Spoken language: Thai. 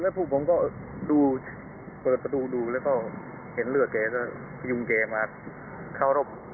แล้วพวกผมก็ดูเปิดประตูดูแล้วก็เห็นเลือดแกก็พยุงแกมาเข้าร่ม